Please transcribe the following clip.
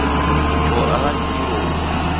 Choo aha kuniroghuo.